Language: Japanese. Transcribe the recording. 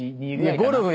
ゴルフや！